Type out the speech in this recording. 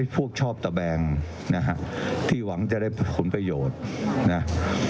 ชอบตะแบงนะฮะที่หวังจะได้ผลประโยชน์นะ